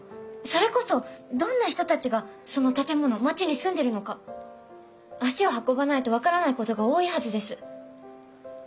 それこそどんな人たちがその建物街に住んでるのか足を運ばないと分からないことが多いはずです。